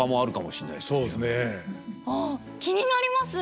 ああ気になります。